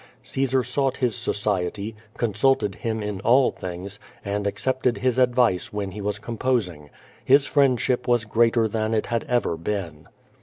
Caesar sought his society, consulted him in all things, and accepted his advice when he was composing. Ilis friendship was greater than it had ever been.